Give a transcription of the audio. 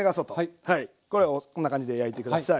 これをこんな感じで焼いて下さい。